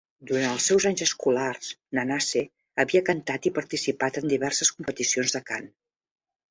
Durant els seus anys escolars, Nanase havia cantat i participat en diverses competicions de cant.